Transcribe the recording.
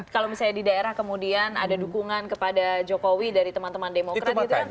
kalau misalnya di daerah kemudian ada dukungan kepada jokowi dari teman teman demokrat